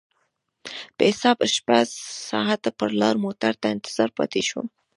په حساب شپږ ساعته پر لار موټر ته انتظار پاتې شوم.